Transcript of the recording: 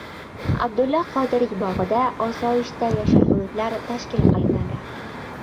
Abdulla Qodiriy bog‘ida "osoyishta" yashil hududlar tashkil qilinadi